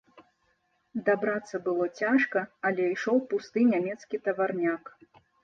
Дабрацца было цяжка, але ішоў пусты нямецкі таварняк.